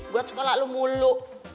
buat sekolah lu mulu